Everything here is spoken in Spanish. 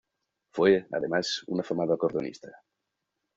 Fue, además, un afamado acordeonista.